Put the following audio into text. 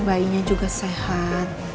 bayinya juga sehat